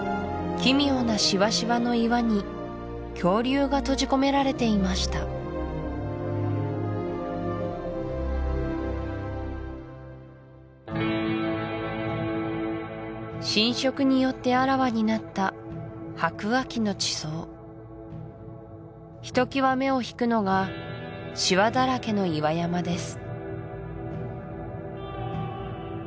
奇妙なシワシワの岩に恐竜が閉じ込められていました浸食によってあらわになった白亜紀の地層ひときわ目を引くのがシワだらけの岩山です